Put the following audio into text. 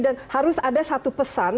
dan harus ada satu pesan